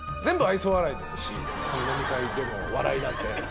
その飲み会での笑いなんて。